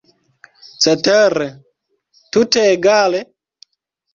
Cetere, tute egale?